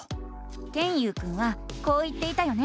ケンユウくんはこう言っていたよね。